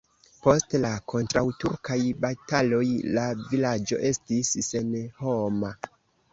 Post la kontraŭturkaj bataloj la vilaĝo estis senhoma.